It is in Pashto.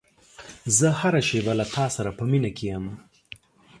زه هره شېبه له تا سره په مینه کې یم.